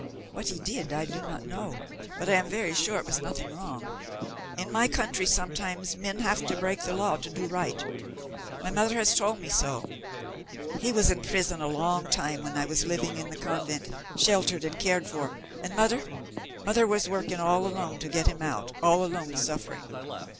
"What he did I do not know, but I am very sure it was nothing wrong. In my country sometimes men have to break the law to do right; my mother has told me so. He was in prison a long time when I was living in the convent, sheltered and cared for, and mother mother was working all alone to get him out all alone suffering."